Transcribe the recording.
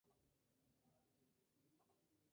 Es una de las montañas más conocidas de Corea del Norte.